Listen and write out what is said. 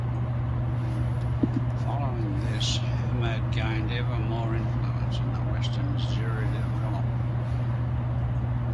Following this Hammad gained ever more influence in the western Zirid realm.